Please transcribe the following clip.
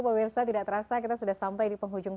pak wirsa tidak terasa kita sudah sampai di penghujung